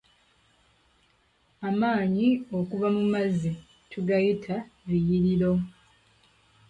Amaanyi okuva mu mazzi tuga yita biyiriro.